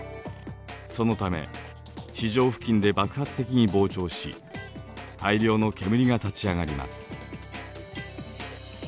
そのため地上付近で爆発的に膨張し大量の煙が立ち上がります。